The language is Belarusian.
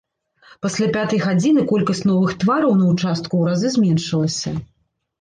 Пасля пятай гадзіны колькасць новых твараў на ўчастку ў разы зменшылася.